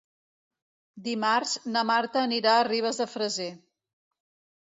Dimarts na Marta anirà a Ribes de Freser.